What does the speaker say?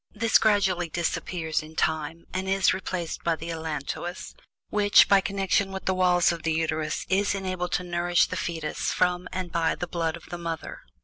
This gradually disappears in time, and is replaced by the "allantois" which by connection with the walls of the Uterus is enabled to nourish the fetus from and by the blood of the mother.